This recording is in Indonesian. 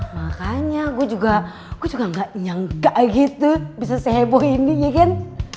makanya gue juga gak nyangka gitu bisa sehebohin ini ya kan